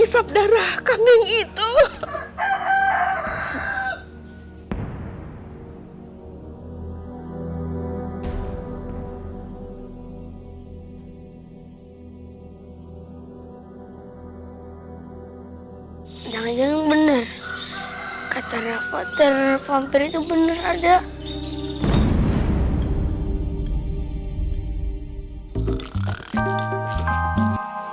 sampai jumpa di video selanjutnya